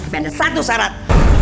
benda satu syarat